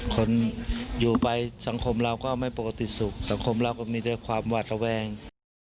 คนอยู่ไปสังคมเราก็ไม่ปกติสุขสังคมเราก็มีแต่ความหวาดระแวง